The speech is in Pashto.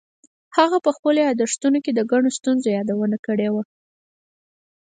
هغه په خپلو یادښتونو کې د ګڼو ستونزو یادونه کړې ده.